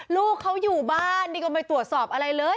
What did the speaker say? ลูกเขาอยู่บ้านนี่ก็ไม่ตรวจสอบอะไรเลย